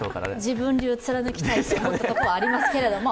自分流を貫きたいと思ったところはありますけれども。